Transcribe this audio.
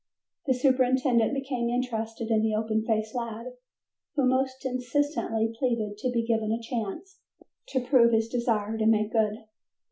The superintendent became interested in the open faced lad, who most insistently pleaded to be given a chance to prove his desire to make good.